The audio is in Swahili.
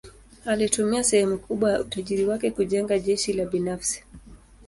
Alitumia sehemu kubwa ya utajiri wake kujenga jeshi la binafsi.